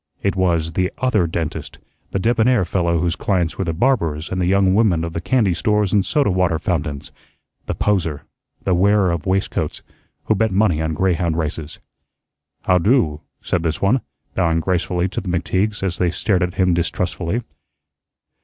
It was the Other Dentist, the debonair fellow whose clients were the barbers and the young women of the candy stores and soda water fountains, the poser, the wearer of waistcoats, who bet money on greyhound races. "How'do?" said this one, bowing gracefully to the McTeagues as they stared at him distrustfully.